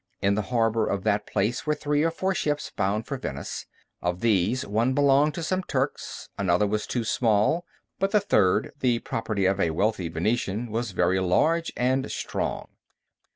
In the harbor of that place were three or four ships bound for Venice. Of these one belonged to some Turks; another was too small; but the third, the property of a wealthy Venetian, was very large and strong.